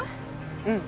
うん。